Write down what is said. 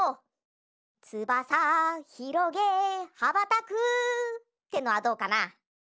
「つばさひろげはばたく」ってのはどうかな？